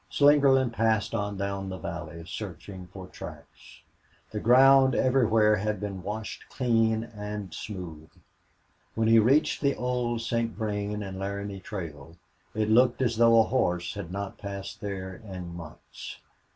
Slingerland passed on down the valley, searching for tracks. The ground everywhere had been washed clean and smooth. When he reached the old St. Vrain and Laramie Trail it looked as though a horse had not passed there in months.